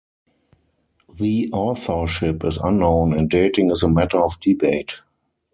The authorship is unknown, and dating is a matter of debate.